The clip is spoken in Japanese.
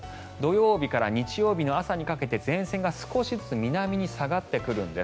土曜日から日曜日の朝にかけて前線が南に下がってくるんです。